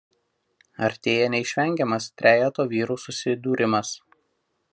Artėja neišvengiamas trejeto vyrų susidūrimas...